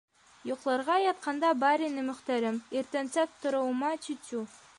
Йоҡларға ятҡанда бар ине Мөхтәрем, иртәнсәк тороуыма тю-тю.